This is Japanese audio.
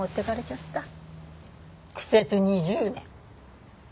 苦節２０年。